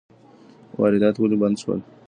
واردات ولي بند سول؟